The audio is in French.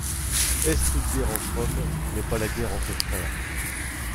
Est-ce que toute guerre entre hommes n’est pas la guerre entre frères?